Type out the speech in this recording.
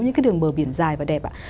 những cái đường bờ biển dài và đẹp